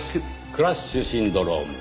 クラッシュシンドローム。